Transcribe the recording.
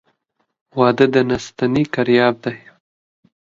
واده د نه ستني کرياب دى.